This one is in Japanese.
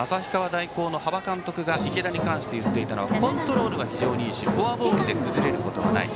大高の端場監督が池田に関して言っていたのはコントロールが非常にいいしフォアボールで崩れることはない。